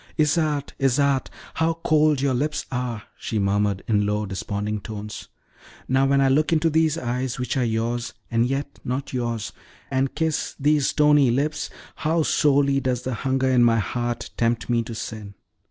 "Isarte, Isarte, how cold your lips are!" she murmured, in low, desponding tones. "Now, when I look into these eyes, which are yours, and yet not yours, and kiss these stony lips, how sorely does the hunger in my heart tempt me to sin!